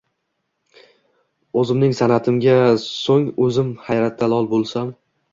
O’zimning san’atimga so’ng o’zim hayratda lol bo’lsam.